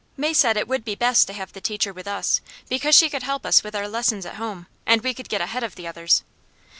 May said it would be best to have the teacher with us, because she could help us with our lessons at home, and we could get ahead of the others.